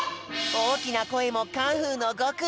おおきなこえもカンフーのごくい。